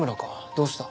どうした？